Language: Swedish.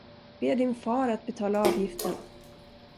Be din far att betala avgiften.